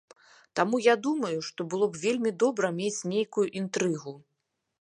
Таму я думаю, што было б вельмі добра мець нейкую інтрыгу.